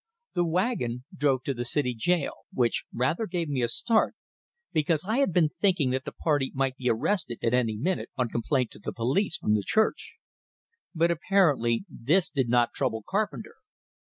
The wagon drove to the city jail; which rather gave me a start, because I had been thinking that the party might be arrested at any minute, on complaint to the police from the church. But apparently this did not trouble Carpenter.